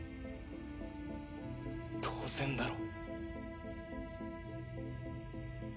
当然だろ。